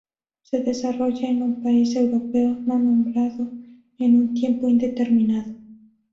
Se desarrolla en un país europeo no nombrado, en un tiempo indeterminado.